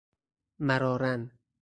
مراراً